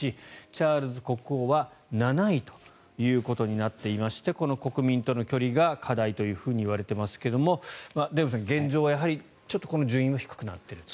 チャールズ国王は７位ということになっていましてこの国民との距離が課題と言われていますがデーブさん、現状はこの順位は低くなっていると。